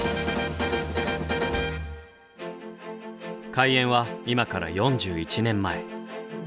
開園は今から４１年前。